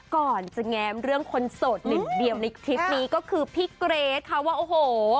ก่อนจะแง้มเรื่องคนโสดหนึ่งเดียวในทริปนี้ก็คือพี่เกรทค่ะว่าโอ้โห